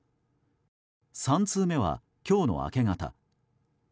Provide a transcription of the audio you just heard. ３通目は今日の明け方。